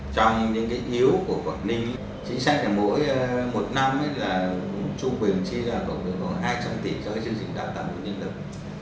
trong những yếu của quảng ninh chính sách là mỗi một năm là trung quyền chia ra khoảng hai trăm linh tỷ cho chương trình đào tạo của nhân lực